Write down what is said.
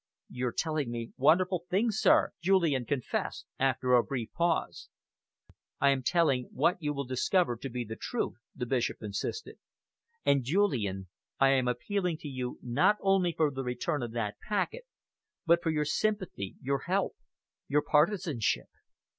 "You are telling me wonderful things, sir," Julian confessed, after a brief pause. "I am telling what you will discover yourself to be the truth," the Bishop insisted. "And, Julian, I am appealing to you not only for the return of that packet, but for your sympathy, your help, your partisanship.